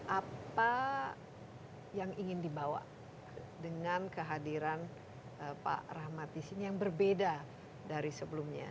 apa yang ingin dibawa dengan kehadiran pak rahmat di sini yang berbeda dari sebelumnya